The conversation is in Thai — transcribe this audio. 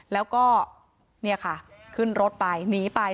แล้วก็เนี่ยค่ะขึ้นรถไปหนีไป